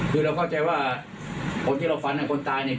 คือเราเข้าใจว่าคนที่เราฝันคนตายเนี่ย